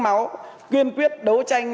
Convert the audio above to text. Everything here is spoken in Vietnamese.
máu quyên quyết đấu tranh